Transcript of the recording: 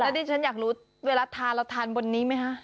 แล้วนี่ฉันอยากรู้เวลาทานมาเราทานบนนี่ไหมฮะ